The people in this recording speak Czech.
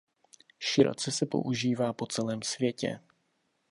Široce se používá po celém světě.